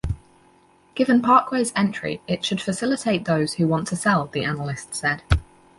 Given Parkways entry, it should facilitate those who want to sell, the analyst said.